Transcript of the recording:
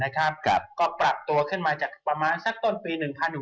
ก็ปรับตัวขึ้นมาจากประมาณสักต้นปี๑๖๐